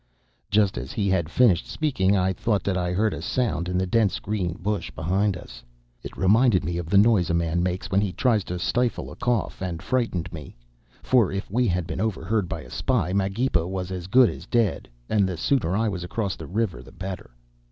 "Just as he had finished speaking I thought that I heard a sound in the dense green bush behind us. It reminded me of the noise a man makes when he tries to stifle a cough, and frightened me. For if we had been overheard by a spy, Magepa was as good as dead, and the sooner I was across the river the better.